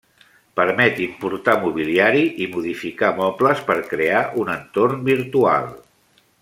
Permet importar mobiliari i modificar mobles per crear un entorn virtual.